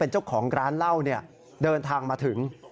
เจ้าของร้านเหล้าเดินทางมาถึง